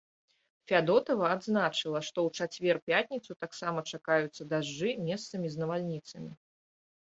Фядотава адзначыла, што ў чацвер-пятніцу таксама чакаюцца дажджы, месцамі з навальніцамі.